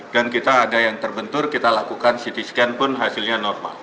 dan kita ada yang terbentur kita lakukan ct scan pun hasilnya normal